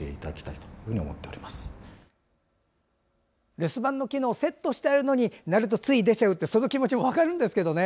留守番の機能セットしてあるのに鳴るとつい出ちゃう気持ちも分かるんですけどね。